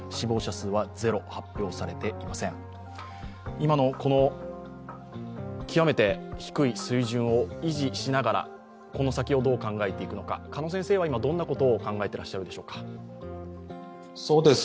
今の極めて低い水準を維持しながらこの先をどう考えていくのか、鹿野先生は今、どんなことを考えていらっしゃいますか？